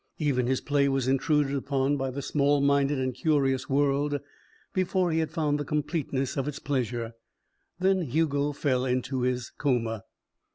Even his play was intruded upon by the small minded and curious world before he had found the completeness of its pleasure. Then Hugo fell into his coma.